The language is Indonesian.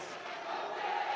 maka langkah selanjutnya adalah